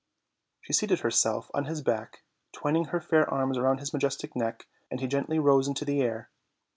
She seated herself on his back, twining her fair arms round his majestic neck, and he gently rose into the air.